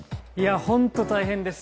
本当、大変です。